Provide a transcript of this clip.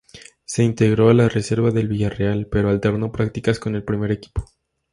Se integró a la reserva del Villarreal, pero alternó prácticas con el primer equipo.